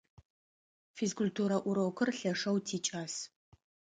Физкультурэ урокыр лъэшэу тикӏас.